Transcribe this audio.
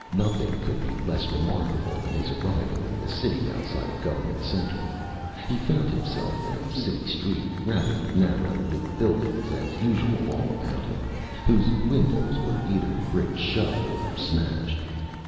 Nothing could be less remarkable than his arrival in the city outside of Government Center. He found himself in a city street, rather narrow, with buildings as usual all about him, whose windows were either bricked shut, or smashed.